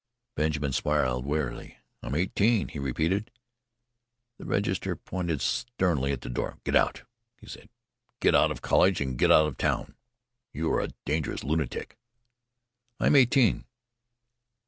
Benjamin smiled wearily. "I am eighteen," he repeated. The registrar pointed sternly to the door. "Get out," he said. "Get out of college and get out of town. You are a dangerous lunatic." "I am eighteen."